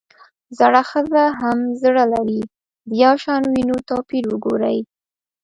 زړه ښځه هم زړۀ لري ؛ د يوشان ويونو توپير وګورئ!